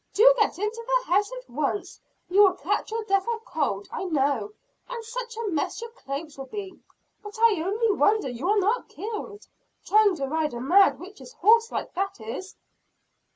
"Do get into the house at once. You will catch your death of cold, I know. And such a mess your clothes will be! But I only wonder you are not killed trying to ride a mad witch's horse like that is."